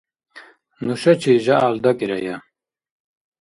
Нушачи жягӀял дакӀирая.